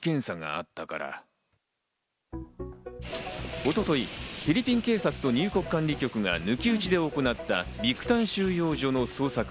一昨日、フィリピン警察と入国管理局が抜きうちで行った、ビクタン収容所の捜索。